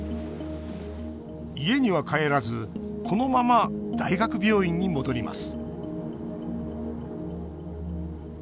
家には帰らずこのまま大学病院に戻ります